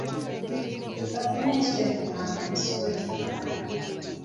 Gavumenti tekungaanya misolo gimala.